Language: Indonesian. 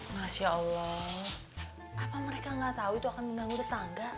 masya allah apa mereka gak tahu itu akan mengganggu tetangga